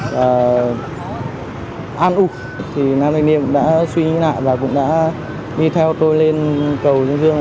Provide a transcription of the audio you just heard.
và an ục thì nam linh điên cũng đã suy nghĩ lại và cũng đã đi theo tôi lên cầu dương dương